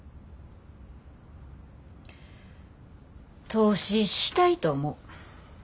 投資したいと思う。